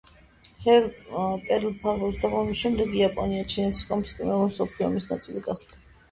პერლ-ჰარბორის დაბომბვის შემდეგ იაპონია-ჩინეთის კონფლიქტი მეორე მსოფლიო ომის ნაწილი გახდა.